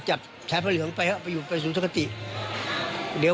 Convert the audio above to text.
จะหลบทะเลห่องไปอะไปอยู่ประสุทธกฎิ